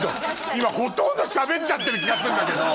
今ほとんどしゃべっちゃってる気がするんだけど。